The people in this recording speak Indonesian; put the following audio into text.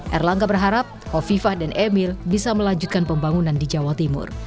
erlangga berharap hovifah dan emil bisa melanjutkan pembangunan di jawa timur